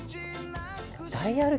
ダイヤル